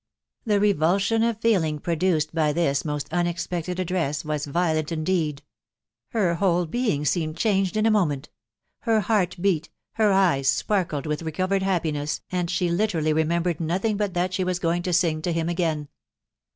The revulsion of feeling produced by this most unexpected address was violent indeed. Her whole being seemed changed in a moment. Her heart beat, her eyes sparkled with reco vered happiness, and she literally remembered nothing bat that she was going to sing to him again.